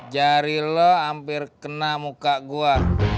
jari lo hampir kena muka gue